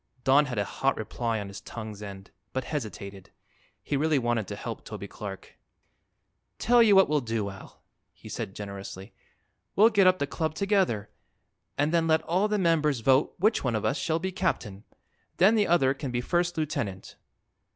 Don had a hot reply on his tongue's end, but hesitated. He really wanted to help Toby Clark. "Tell you what we'll do, Al," he said generously; "we'll get up the club together and then let all the members vote which one of us shall be captain. Then the other can be first lieutenant."